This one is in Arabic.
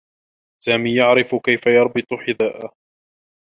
سامي يعرف كيف يربط حذاءه.